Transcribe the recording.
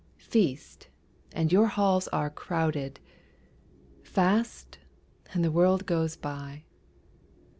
Feast, and your halls are crowded; Fast, and the world goes by.